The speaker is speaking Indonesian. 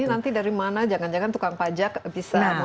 ini nanti dari mana jangan jangan tukang pajak bisa mulai tanya tanya